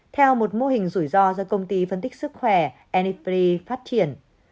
theo một mô hình rủi ro do công ty phân tích sức khỏe anipri phát triển